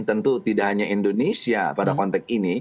tentu tidak hanya indonesia pada konteks ini